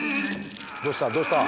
どうしたどうした？